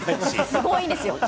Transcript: すごいんですよ。